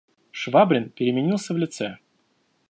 Швабрин переменился в лице.